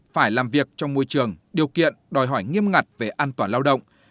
phải làm việc trong môi trường điều kiện đòi hỏi nghiêm ngặt về an toàn lao động